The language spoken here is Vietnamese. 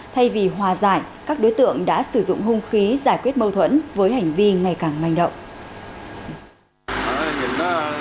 thay vì hòa giải các đối tượng đã sử dụng hung khí giải quyết mâu thuẫn với hành vi ngày càng manh động